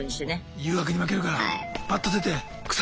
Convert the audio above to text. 誘惑に負けるからパッと出て草！